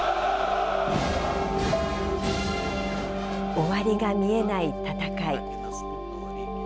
終わりが見えない戦い。